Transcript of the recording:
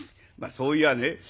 「まあそう言やあね